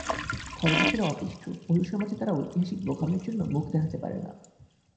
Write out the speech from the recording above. খরগোশেরা অতিষ্ঠ, পশুসমাজে তারা ঐতিহাসিক বোকামির জন্য মুখ দেখাতে পারে না।